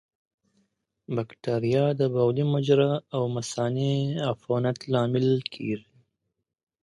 بکتریا د بولي مجرا او مثانې عفونت لامل کېږي.